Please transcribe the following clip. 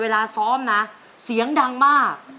เวลาซ้อมนะเสียงดังมาก